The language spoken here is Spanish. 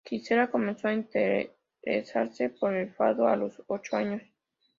Gisela, comenzó a interesarse por el fado a los ocho años.